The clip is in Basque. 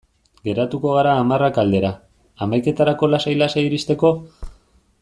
Geratuko gara hamarrak aldera, hamaiketarako lasai-lasai iristeko?